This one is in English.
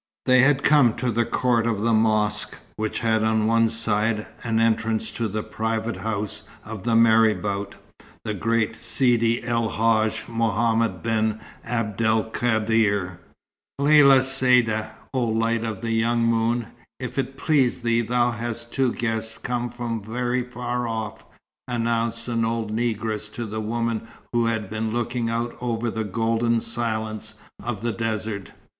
They had come to the court of the mosque, which had on one side an entrance to the private house of the marabout, the great Sidi El Hadj Mohammed ben Abd el Kader. "Lella Saïda, oh light of the young moon, if it please thee, thou hast two guests come from very far off," announced an old negress to the woman who had been looking out over the golden silence of the desert.